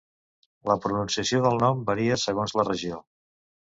La pronunciació del nom varia segons la regió.